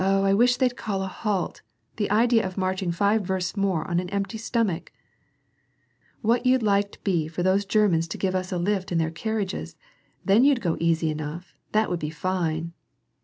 I wish they'd call a halt ! the idea of marching five versts more on an empty stomach !" "What you'd like'd be for those Germans to give us a lift in their carriages. Then you'd go easy enough ; that would be fine!"